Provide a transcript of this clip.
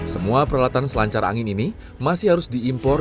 semua peralatan selancar angin ini masih harus diimpor